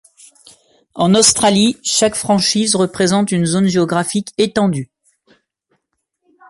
En Australie, chaque franchise représente une zone géographique étendue.